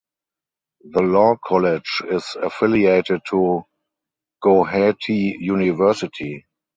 The Law College is affiliated to Gauhati University.